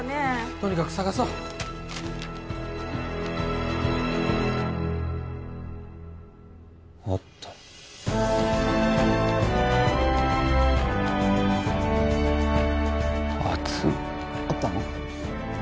とにかく捜そうあったあついあったの？